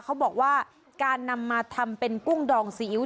เขาบอกว่าการนำมาทำเป็นกุ้งดองซีอิ๊ว